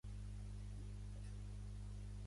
És la subespècie més grossa de l'ós del Tibet.